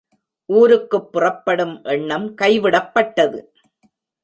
ஊருக்குப் புறப்படும் எண்ணம் கைவிடப்பட்டது.